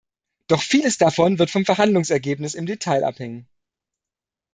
Doch vieles davon wird vom Verhandlungsergebnis im Detail abhängen.